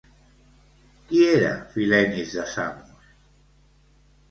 Qui era Filenis de Samos?